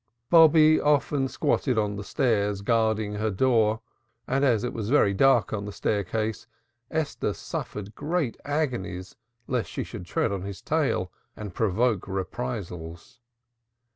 Bobby often squatted on the stairs guarding her door and, as it was very dark on the staircase, Esther suffered great agonies lest she should tread on his tail and provoke reprisals.